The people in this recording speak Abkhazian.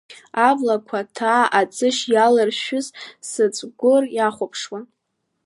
Аблақәа ҭаа аӡыжь иаларшәыз сыҵәгәыр иахәаԥшуан.